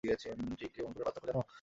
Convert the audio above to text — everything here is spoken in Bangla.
ঠিক এবং ভুলের পার্থক্য জানো?